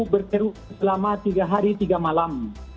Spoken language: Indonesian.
berteru selama tiga hari tiga malam